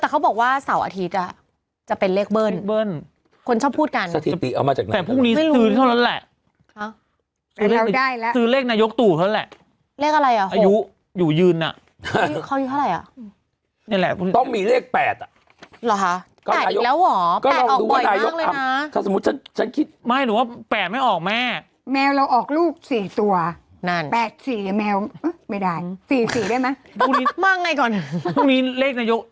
๗๘๙เขาบอกให้ระวังเลขเบิ้ลหน่อย